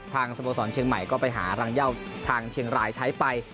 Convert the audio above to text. สโมสรเชียงใหม่ก็ไปหารังเยาทางเชียงรายใช้ไป